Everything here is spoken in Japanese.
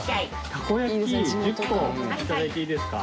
たこ焼き１０個頂いていいですか？